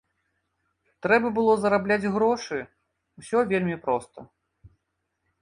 Трэба было зарабляць грошы, усё вельмі проста.